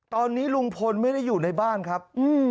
ตอนนี้ลุงพลไม่ได้อยู่ในบ้านครับ